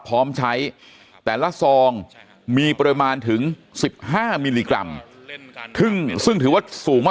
พร้อมใช้แต่ละซองมีปริมาณถึง๑๕มิลลิกรัมซึ่งถือว่าสูงมาก